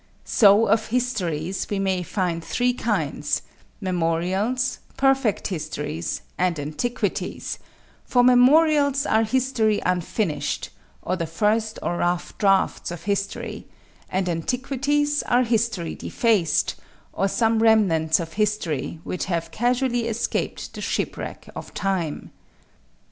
So of histories we may find three kinds, memorials, perfect histories, and antiquities; for memorials are history unfinished, or the first or rough drafts of history; and antiquities are history defaced, or some remnants of history which have casually escaped the shipwreck of time.